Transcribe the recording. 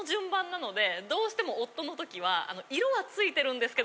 どうしても夫の時は。